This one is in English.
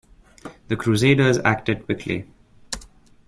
The crusaders acted quickly.